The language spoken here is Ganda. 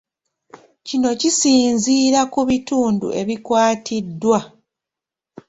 Kino kisinziira ku bitundu ebikwatiddwa